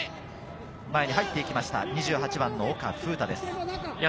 前に入っていきました、２８番の岡楓太です。